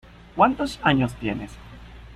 ¿Cuántos años tienes?